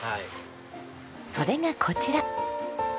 それがこちら。